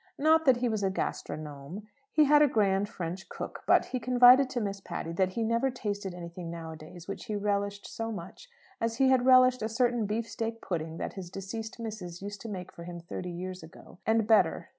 Not that he was a gastronome. He had a grand French cook; but he confided to Miss Patty that he never tasted anything nowadays which he relished so much as he had relished a certain beef steak pudding that his deceased "missis" used to make for him thirty years ago, and better.